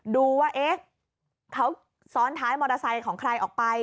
ดูว่าเอ๊ะเขาซ้อนท้ายมอเตอร์ไซค์ของใครออกไป